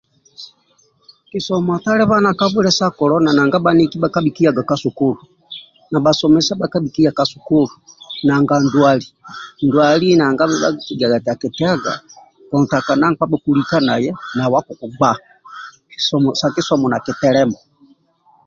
Kisomo atalibana ka bwile sa kolona nanga bhaniki bhakabhikiyaga ka sukulu na bhasomese bhakabhikiyaga ka sukulu nanga nduali nduali nanga bhabhi kigiaga eti akitehega, kontakana nkpa bhukulika naye nawe akukugba kisomo sa kisomo nakitelema